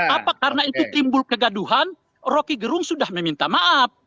apa karena itu timbul kegaduhan roky gerung sudah meminta maaf